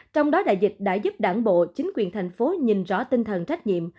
trong đó đại dịch đã giúp đảng bộ chính quyền thành phố nhìn rõ tinh thần trách nhiệm